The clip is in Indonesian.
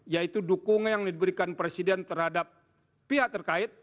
yaitu dukungan yang diberikan presiden terhadap pihak terkait